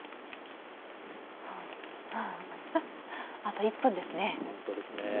あと１分ですね。